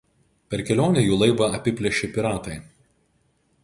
Per kelionę jų laivą apiplėšė piratai.